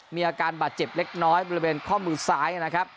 มีอาการบาดเจ็บเล็กน้อยบริเวณข้อมือซ้ายนะครับ